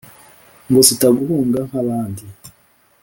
ngo zitaguhunga nk'abandi